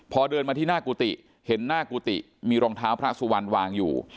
พอเดินมาที่หน้ากุฏิเห็นหน้ากุฏิมีรองเท้าพระสุวรรณวางอยู่